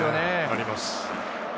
あります。